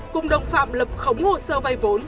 cùng đồng phạm lập khống hồ sơ vay vốn